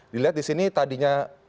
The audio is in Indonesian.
dilihat disini tadinya